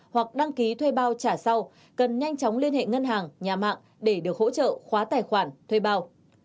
hoặc đăng ký thuê bao trả sau cần nhanh chóng liên hệ ngân hàng nhà mạng để được hỗ trợ khóa tài khoản thuê bao